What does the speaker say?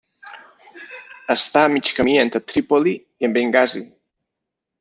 Està a mig camí entre Trípoli i Bengasi.